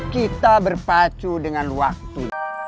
kita berpacu dengan waktu